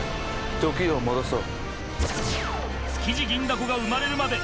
時を戻そう。